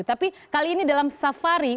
tapi kali ini dalam sebuah perusahaan ini